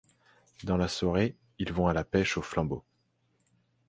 Dans la soirée, ils vont à la pêche au flambeau...